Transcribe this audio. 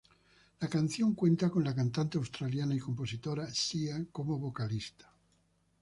La canción cuenta con la cantante australiana y compositora Sia como vocalista.